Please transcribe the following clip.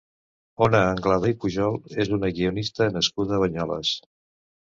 Ona Anglada i Pujol és una guionista nascuda a Banyoles.